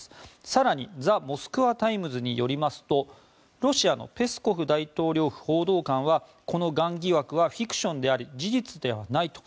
更にザ・モスクワタイムズによりますとロシアのペスコフ大統領府報道官はこのがん疑惑はフィクションであり事実ではないと。